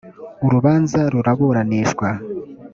urubanza ruburanishwa